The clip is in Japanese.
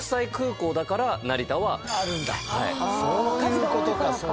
そういうことか。